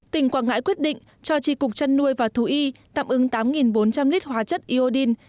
tỉnh quảng ngãi quyết định cho tri cục chăn nuôi và thú y tạm ứng tám bốn trăm linh lít hóa chất iodin